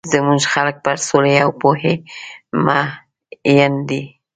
زموږ خلک پر سولي او پوهي مۀين دي.